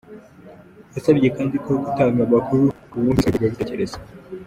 Yasabye kandi no gutanga amakuru ku wumvisweho ingengabitekerezo.